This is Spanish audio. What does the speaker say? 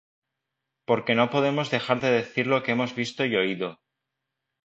Porque no podemos dejar de decir lo que hemos visto y oído.